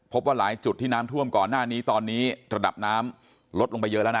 พบว่าหลายจุดที่น้ำท่วมก่อนหน้านี้ตอนนี้ระดับน้ำลดลงไปเยอะแล้วนะ